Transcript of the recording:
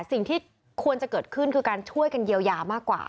สิ่งที่ควรจะเกิดขึ้นคือการช่วยกันเยียวยามากกว่า